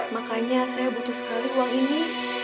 makanya saya butuh sekali uang ini